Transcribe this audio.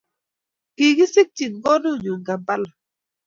kikisikchi konunyu Kampala